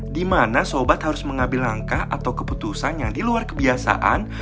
di mana sobat harus mengambil langkah atau keputusan yang di luar kebiasaan